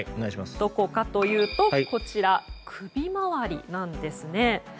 どこかというとこちら首回りなんですね。